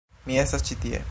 Mi estas ĉi tie